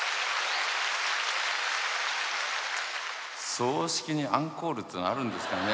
葬式にアンコールっていうのがあるんですかね。